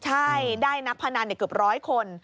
ใช่ได้นักพนันเกือบร้อยคน